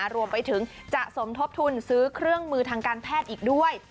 รวมไปถึงจะสมทบทุนซื้อเครื่องมือทางการแพทย์อีกด้วย